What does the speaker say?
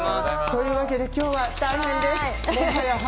というわけで今日は大変です。